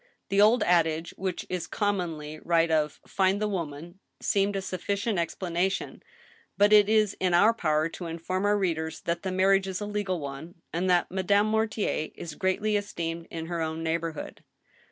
The old adage, which is commonly right, of * Find the woman,' seemed a sufficient explanation ; but it is in our power to inform our readers that the marriage is a legal one, and that Madame Mortier is greatly esteemed in her own neighborhood.